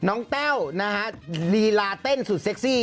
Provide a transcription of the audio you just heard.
แต้วนะฮะลีลาเต้นสุดเซ็กซี่